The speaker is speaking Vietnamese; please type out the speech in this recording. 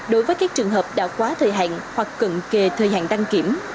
đối với các trường hợp đã quá thời hạn hoặc cận kề thời hạn đăng kiểm